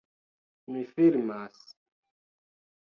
Mi filmas.